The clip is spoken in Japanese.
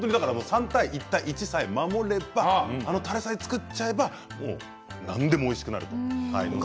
３対１対１を守ればあのたれさえ作っちゃえば何でもおいしくなる。